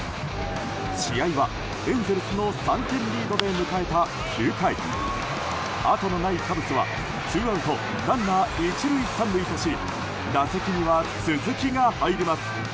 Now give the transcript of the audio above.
試合はエンゼルスの３点リードで迎えた９回後のないカブスはツーアウトランナー１塁３塁とし打席には鈴木が入ります。